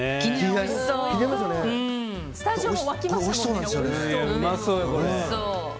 スタジオも沸きましたね